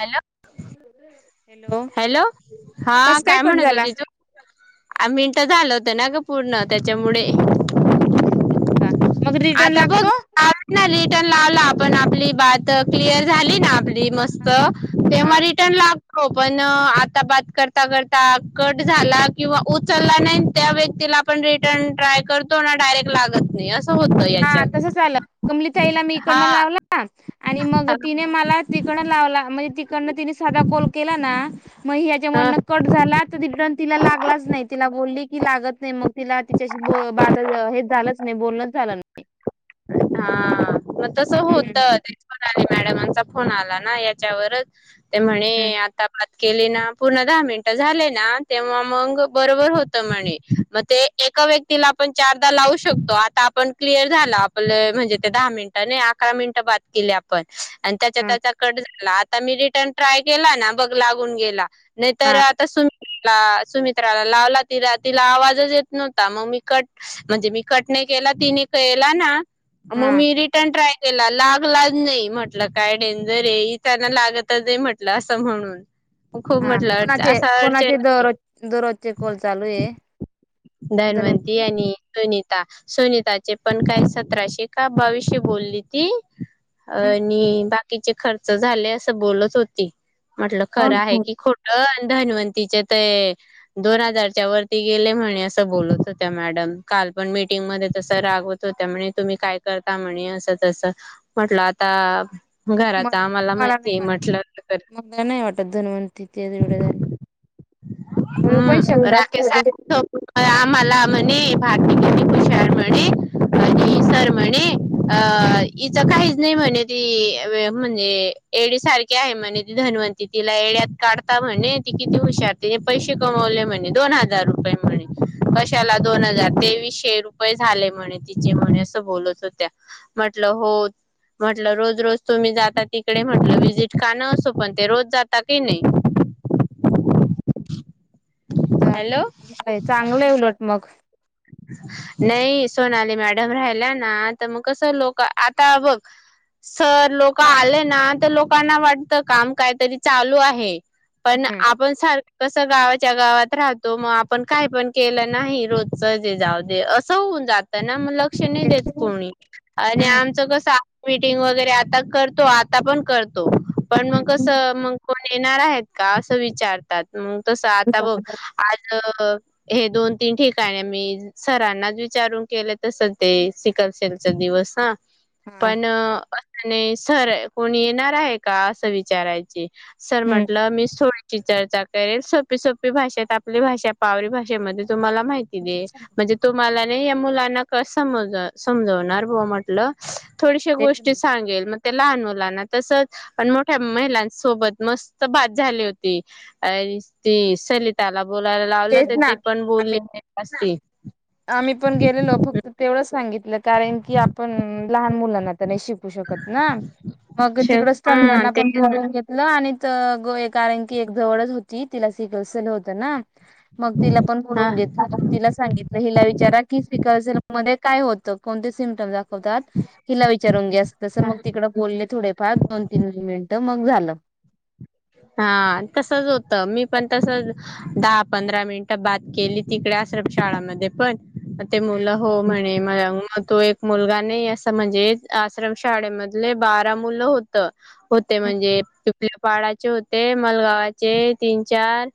Hello hello हा कस काय कट म्हणत हो झाला त तू आ मिनट झालं होतं ना ग पूर्ण त्याच्यामुळे का मग रिटर्न आता बघ लागतो नाट न लाव पण आपली बात क्लिअर झाली ना आपली मस्त तेव्हा हा रिटर्न लाव हो पण आता बात करता करता कट झाला किंवा उचलला नाही त्या व्यक्ती आपण रिटर्न ट्राय करतो ना डायरेक् लागत नाही अस होत याच्यात कमलीथाईला मी इकडन लावला आणि मग हा तिने मला तिकड लावला म्हणजे त न तिने साधा कॉल केला ना मग ह्याच्या मनन कट झाला तर रिटर्न तिला लागलाच नाही तिला बोलली ती लागत नाही मग तिला तिच्याशी ब हे झालंच नाही बोलणच झालं नाही हा मग तस होत त्याच म्हणा मॅडमचा फोन आला ना याच्यावरच ते म्हणे आ केली ना पूर्ण दहा मिनिटं झाले ना तेव्हा मग बरोबर होत म्हणे मग ते ए व्यक्तीला आपण चारदा लावू शकतो आता आपण क्लिअर झाला आप म्हणजे ते दहा मिनिट नाही अकरा मिनिटं बद केली आपण आणि त्याच्या हा त्याचा कट झाला आता मी रिटर्न ट्राय केला ना बघ लागून गेला नाही तरर हा आता सुमित्राला लावला तिला तिला आवाजच येत नव्हता मग मी कट म्हणजे मी कट नाही मग हा त्याला लागलाच नाही म्हटलं काय डेंजर आहे त्यांना लागतच नाही म्हटलं असं म्हणून खूप हा म्हटलं अड कोणाचे असा कोणाचे अडचण दररोज दरोज चे कॉल चालू आहे दनव सुनीिता सुनीिता चे पण काय सतराशे का बावीसशे बोलली ती आणि बाकीचे खर्च झाले असं बोलत होती म्हटलं खरं आहे की खोट धन्वंतीचे ते दोन हजारच्या वरती गेले म्हणे असं बोलत होत्या मॅडम काल पण मीटिंग मध्ये तसं रागवत होत त्या म्ह तुम्ही काय करता म्हणे असं तस म्हटलं आता घराच मला आम्हाला मला नाही माहिती वाटत म्हटलं मला नाही वाटत दनवण तिथे एवढे झाले मिळू पण हम् शकतात राकेश पुढं. आम्हाला म्हणे भारती खशार म्हणे आणि म्हणे अ इच काहीच नाही म्हणे ती म्हणजे एडी सारखी आहे म्हणे ती धनवंती तिला येड्यात काढता म्हणे ती किती हुशार त्याने पैसे कमवले म्हणे दोन हजार रुपये म्हणे कशाला दोन हजार तेवीसशे रुपये झाले म्हणे तिचे म्हणे अस बोलत होत्या म्हटलं होत म्हटलं रोज रोज तुम्ही जाता तिकडे म्हटलं वि्हिजिट काणं असो पण ते रोज जाता की नाही [inaudible] हॅलो चांगलं आहे उलट मग नाही सोनाली मॅडम राहिल्या ना तर मग कसं लोक आता बघ सर लोक आले ना तर लोकांना वाटत काम कायतरी चालू आहे पण हम्म आपण सारख कस गावाच्या गावात राहतो मग आपण काही पण केलं नाही रोज सजे जाऊ दे असं होऊन जात ना मग लक्ष नाही देत कोणी आणि हम्म आमचं कस मीटिंग वगैरे आता करतो आता पण करतो पण मग हम्म. कसं मग कोण येणार आहेत का असं विचारतात मग तसं आता बघ आज हे दोन तीन ठीक काय नाय मी सरांनाच विचारून केलं तस ते सिकलशेलचा दिवस ह हा पण असं नाही सर कोणी येणार आहे का असं विचारायची. सर हम्म म्हंटलं मीचं थोडी की चर्चा करेल सोपी सोपी भाषेत आपली भाषा पावरी भाषेमध्ये तुम्हाला मा म्हणजे तुम्हाला नाही या मुलांना क समज समजवणार बुआ म्हटलं थोडीश तेच ना गोष्टी सांगेल म त्या लहान मुलना तसच पण मोठ्या महिलांसोबत मस्त बात झाली होती. अ ती सलिताला बोलायला लावलं तेच तर ना ती पण आम्ही बोलली नि असती. आम्ही पण गेलेलो फक्त तेवढंच सांगितलं कारण की आपण लहान मु लांना तर नाय शिकू शकत ना मग तिकड हा स्तनदाना ते पण बोलुन घेतल आणि तर ग कारण की एक जवळच होती तिला सिकसलं होतं ना मग तिला पण हा बोलवून घेतल तिला सांगित तिला विचारा की सिकलसेल मध्ये काय होत कोण सिमटम दा वतात हीला विचारून घे अस तस मग तिकडे बोलले थोडेफार दोन तीन मिनिट मग झालं. हा तसच होत मी पण तस दहा पंधरा मिनिट बात केली तिकडे आश्रम शाळा मध्ये पण म ते मुलं हो म्हणे म तो एक मुलगा नई असं म्हणजे आश्रम शाळेमधले बारा मुलं होत होते म्हणजे [unintelligible] पाडाचे होते मलगावाचे तीन चार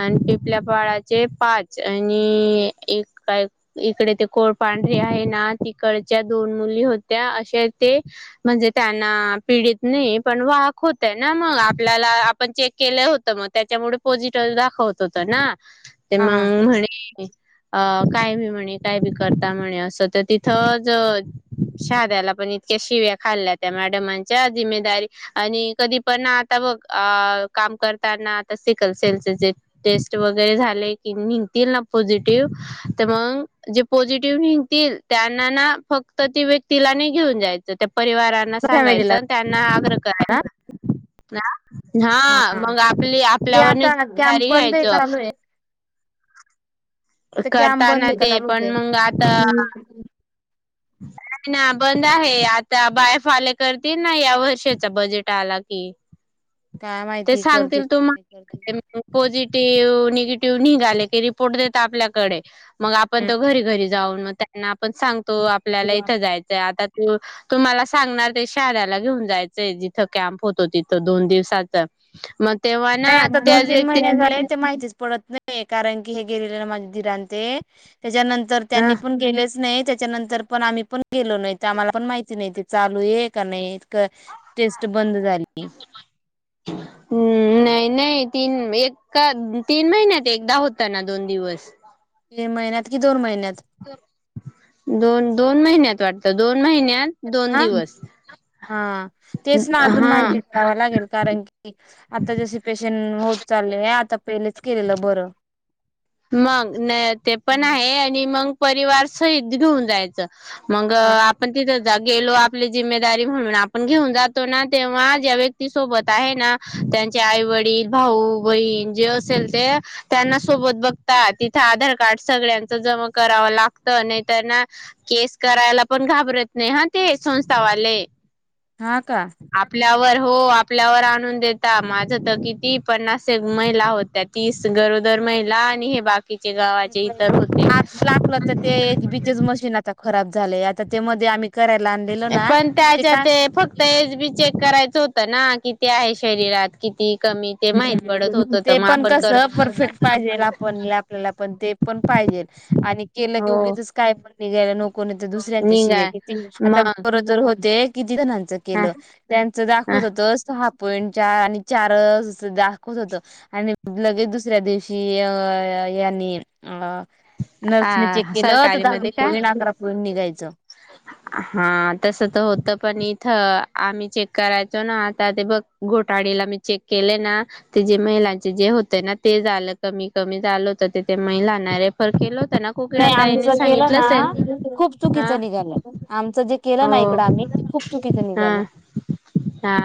आणि पिपल्या पाळाचे पाच आणि एक काय इकडे ते कोरपाण आहे ना तिकडच्या दोन मुली होत्या असे ते म्हणजे त्यांना पीडित नही पण वाहक होत्या ना मग आप ल्याला आपण चेक केलं होतं मग त्याच्यामुळे पॉझिटिव्ह दाखवत होत ना ते हा हा. मंग म्हणे अ काय बी म्हणे काय बी करता म्हणे असं त तिथंच ज शहाध्याला पण इतक्या शिव्या खाल्ल्या त्या मॅडमांच्या जिमेदारी आणि कधी पण आठ आता बघ अ काम करताना आता सिकल सेलचे जे टेस्ट वगैरे झाले कि मी तिनं नं पोझिटिव्ह तर मंग जे पॉसिटीव्ह निगतील त्यांना ना फक्त ती ते तिला घेऊन जायचं त्या परिवारांना फॅमिलीला सांगायचं त्यांना आग्रह करायच ना ह हा मग आपली ते आपल्यावर नाय आता [unintelligible] कॅम्प बंद घ्यायच. आहे का चालू आहे तर कॅम्प बंद करताना आहे का ते चालूच पण आहे. मंग आता नाही ना बंद आहे आता बायफाळे करतील ना या वर्षाचा बजेट आला की की काय ते माहिती करतील सांगतील की तुम्हाला नाही [unintelligible] पॉसिटीव्ह निगेटिव्ह निगेटिव्ह निघाले की रिपोर्ट देता आपल्याकडे मग आपण तो करतील. घरीघरी जाऊन मग त्यांना आपण सांगतो आपल्याला इथं जायचंय आता तुम्हाला सांगणार ते शाऱ्याला घेऊन जायचंय जिथं कॅम्प होतो तिथं दोन दिवसाच मग तेव्हा नाही ना आता दोन त्याच तीन व्यक्ती महिने झाले ते माहितीच पडत नाही कारण की हे गेले माझे दिर आणि ते त्याच्यानंतर ह त्यांनी पण गेलेच नाहीत. त्याच्यानंतर पण आम्ही पण गेलो नाय तर आम्हाला पण माहिती नाय चालू ये का नाहीये क टेस्ट बंद झाली. नाही नाही तीन एक का तीन महिन्यात एकदा होता ना दोन दिवस महिन्यात की दोन महिन्यात दोन दोन महिन्यात वाटत दोन महिन्यात दोन ना दिवस हा तेच ना अजून हा माहिती कराव लागेल कारण की आता जसे पेशंट होत चालले हे आता पहिलेच केलेलं बरं. मग न ते पण आहे आणि मग परिवार सहीत घेऊन जायचं. मग हा आपण तिथ गेलो आपली जिम्ेदारी म्हणून आपण घेऊन जातो ना तेव्हा ज्या व्यक्ती सोबत आहे ना त्यांचे आईवडील भाऊ बहीण जे असेल ते त्यांना सोबत बघ तिथे आधार कार्ड सगळ्यांच जमा कराव लागत नाही त्यांना केस करायला पण घाबरत नाही हा ते संस्थावाले हा का आपल्यावर हो आपल्यावर आणून देता माझ तर किती पन्नास एक महिला होत्या तीस गरोदर महिला आणि हे बाग म पहिले ला आपलं तर ते बीच मशीन खराब झालेय आता त्यामध्ये आम्ही करायला आणलेलं ना पण त्याच्या काय ते फक्त एस बी चेक करायचं होतं ना कि आहे शरीरात किती कमी ते माहित पडत होत तर ते मग पण आपण कस कर परफेक्ट पाहिजेल आपण आपल्याला पण ते पण पाहिजे आणि केलं हो तेोगीचच काय म्हण घायला नको नाही तर दुसऱ्यांच्या निघा शिवाय आता मग गरोजर होते किती ह केलं त्यांच दाखवत होत सहा पॉं चार आणि चार दाखवत होतो आणि लगेच दुसऱ्या दिवशी यांनी अ नर्सने चेक ह केलं तर सरकारी द पोईण अंग्रा पोळीण निघायचं ह हा तस तर होतं पण इथं आम्ही चेक करायचो ना आता ते बघ घोटाळी चेक के ना ज महिलां जे होते ते झा कमी क झा होत रेफर केल होत ना नाही कोकडताने आमचं केलं सांगितलं ना असेल खूप हा चुकीचं निघालं आमचं जे केलं ना हो इकडं आम्ही ते खूप चुकीचं हा निघालं हा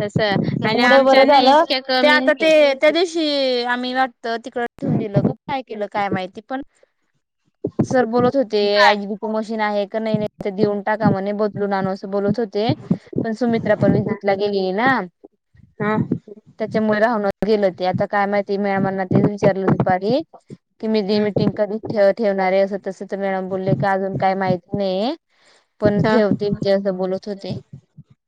तस आणि त्याच्यामुळे बरं आमच्या ना झालं इतक्या ते कमी आता ते नाही त्या दिवशी मी वाटत तिकड ठेवून दिलं काय केलं काय माहिती पण सर बोलत होते आचबी प मशीन आहे का नाही नाही देऊन टाका म्हणे बदलून आण बोलत होते पण सुमित्रा पण वि हा जथला गेली ना हा त्याच्यामुळे राहून गेल हो ते आता काय माहिती ममना तेच विचारलं दुपारी की मी ंग कधी ठेणारे तस तर मॅडम बोलले की अजून काही माहिती नाही पण ठेवतेजे असं बोलत होते ह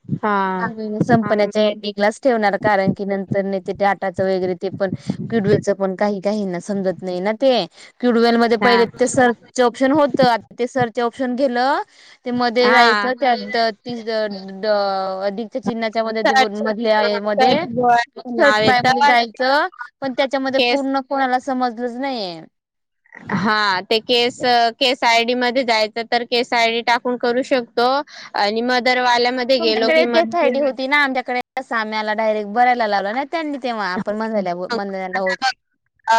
अग संपण्याचे क न वर पण कडण का समत नाही ना ते क्युडवेल मध्ये हा पहिले ते सरचे ऑप्शन होत ते सरचे ऑप्शन गेलं ते मध्ये हा जायचं त्यांत ती अधिकच्या चिन्हाच्या मध्ये सर्च सर्च र्च नाव बा येत जाच पण त्याच्या केस पूर्ण समजलंच नाहीे ह हा ते केस केस आय डी मध्ये जायचं तर केस आयडी टाकून करू शकतो आणि म तुमच्याकडे के आयडी होती ना आमच्याकडे साम्याला डायरेक्ट बरायला लावला ना त्यांनी तेव्हा आपण मज म होोत अ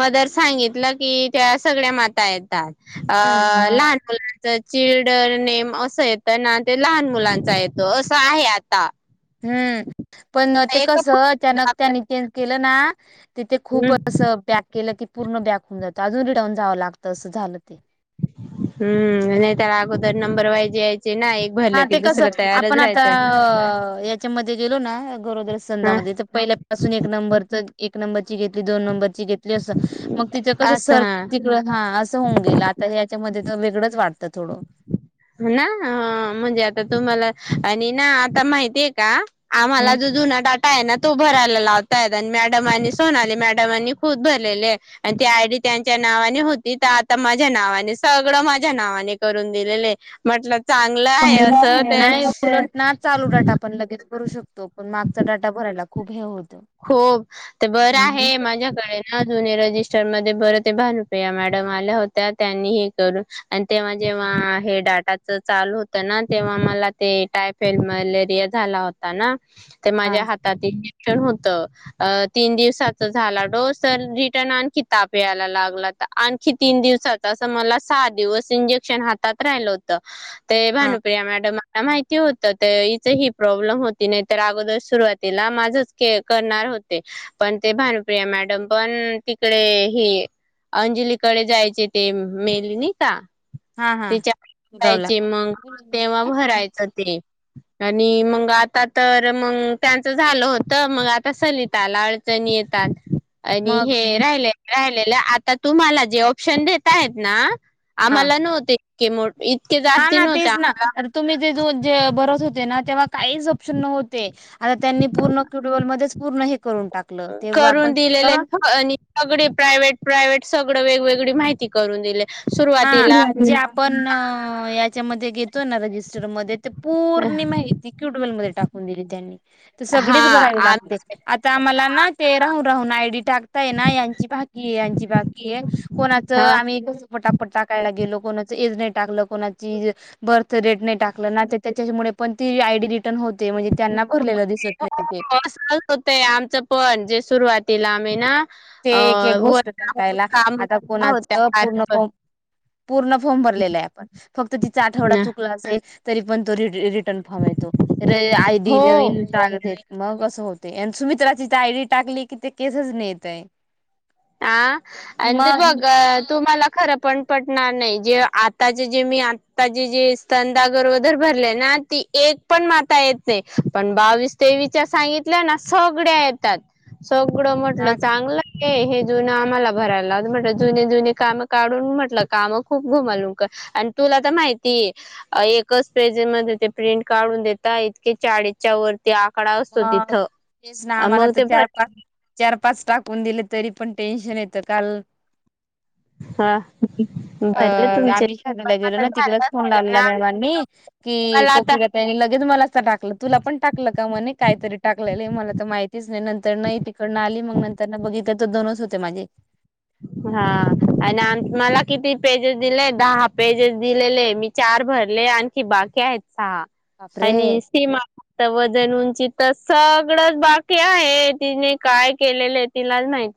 मदर सांगितलं की त्या सगळ्या माता येतात अ हम्म लहान मुलांच चिल्ड्रन नेम असं येतं ना ते लहान मुलांचा येतो असं आहे आता हम्म पण ते एक कसं अचानक त्यानी चेंज केलं ना तिथे खूप हं, असं बॅक केलं की पूर्ण बॅक होऊन जातं अजून रिटर्न जावं लागतं असं झालं ते हम्म नाही तरला अगोदर नंबर वायज हा ते कस आपण आता याच्यामध्ये गेलो ना गरोदरी हां, सधामध्ये ते पहि ून एक नंबरच नंबरची दोन नंबरची घेतली अस मग तिच कस असं सर हां. तड हा अस होऊन गेलता याच्यामध्ये वेगळंच वाटतं थोडं ना म्हणजे आता तुम्हाला आणि ना आता माहिती आहे का आम्हाला जो जुनाा काय ना तो भरायला लावताय आणि मॅडमनी सोनाले मॅडमांनी खूद भरलेले आणि त आयडी त्यांच्या नावाने होती आता माझ्या नावाने सगळं माझ्या नावाने करून दिलेले मतलब नाही ना चालू डाटा पण लगेच भरू शकतो पण मागचा डाटा भरायला लागतो खूप हे होत हो ते बरं आहे माझ्याकडे ना जु रजिस् म बर भानुपया मॅडम आल्या होत्या त्यांनी हे करून आणि तेव्हा जेव्हा हे ाटाच चालू होत ना तेव्हा मला ते टायफेड मलेरिया झाला होता ना ते हा माझ्या हातातंजेक्शन हो तीन दिवसाच झाला डो तर रिटर्न आणखी ताप यायला लागला तर आणखी कि तीन दिवसात असं मला सहा दिवस इंजेक्शन हातात राहिलं होत ते हा भानुप्रिया मॅडम माहिती होत ते हच ही प्रॉब्लेम होती नाही तर अगोदर सुरुवातीला माझंच करणार होते पण ते भानप्रिया मॅडम पण तिकडे ह अंजलीकडे जायचे ते मेलनी का हा हा गावला तिच्यायचे मग तेव्हा भरायचं ते आणि मग आता तर मग त्यांचं झालं होत मग आता चलताल अडचणी येतात आणि मग हे राहिले राहिलेलं आता तुम्हाला जे ऑप्शन देत आहेत ना हा आम्हाला नव्हते इतके हा जास्ती ना तेच नव्हते ना तुम्ही ते जे बरत होते ना तेव्हा काही प्शन नते आ त्यांनी पूर्ण क्युटबल पूर्ण कर करून दिलेले सगळे प्रायव्ट प्रायवहेट सगळं वेगवेग त माहिती करून दिली हा जे आपण याच्यामध्ये घेतो ना रजिस्टरमध्ये ते पूर् माहिती क्युडवेल म टाकून दिली त्यां हा सगळीच भरा आ लागते आ आम्हाला तेरा हना आयडी टाकताय ना यांची बाकी यांची बाकी आहे कोणाच हा. आम्ही घ ण टाकायला गेल कोच एज नाही टाकलं कोणा बर्थ रेट नाही टाकलं त्याच्यामुळे पण ती आयड ते होते आमचं पण जे सुरुवाती तला मेना ते एक एक गोष्ट टकायला आता कोणाचं होत्या पूर्ण पूर्ण फॉर्म भरलेला आहे आपण फक्त तिचा आठवडा चुकला असेल तरी पण तो रि रिटर्न फॉर्म येतो रे आय डी हो नवीन टगतेत मग कं होत ते आणि सुमित्राचीथ आयडी टाकली कि ते केसेच नेत आहे हा आणि ते मग बघ तुमला खर पण पटणार नाही जे आताचे जे मी आताचे जे स्तंदागरदर भरलेय ना एक पण माता येत नाही पण बावीस तेवीस सांगितल्या ना सगळ्या येतात सगळं म्हटलं हा का चांगलं हे आम्हाला भरायला म्ह जु जु काम काढून म्हटलं काम खूप घु तला तर माहितीय एकच पेजे मध्ये ते प्रिंट काढून देता इतके चाळीच्या वर ते आकडा असतो मग तिथं तेच ना आम्हाला मग तर ते भर चार पाच चार पाच टाकून दिले तरी पण टेन्शन येतं काल हा ओके. अ भरले तुमचे आम्ही पण शादयाला गेलो आता ना, झालं तिकडेच फोन असेल ना लावलेला मॅमांनी की मला आता कोकला लगेच मला त टाकलं तुला पण टाकलं का म्हणे टाकलेले मला तर माहितीच नाही नंतर नई तिकडनं आली मंग नंतर ना, बघितलं तर दोनच होते माझे ह [inaudible] हा आणि आमत मला किती पेजेस दिले दहा, पेजेस दिलेले मी चार भरले आणखी बाकी आहेत सहा, [unintelligible] आणि बापरे सी वजन उंची सगळंच बाकी आहे तिने, काय केलेलं तिला माहिती